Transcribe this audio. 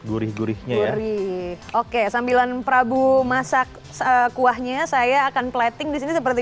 gurih gurihnya ya oke sambilan prabu masak sekuahnya saya akan plating disini seperti